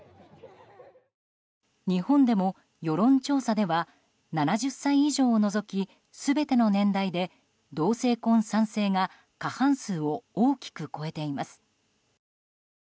日本でも、世論調査では７０歳以上を除き全ての年代で同性婚賛成が過半数を大きく超えています。